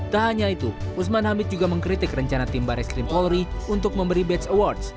tahannya itu usman hamid juga mengkritik rencana timba reskrim polri untuk memberi badge awards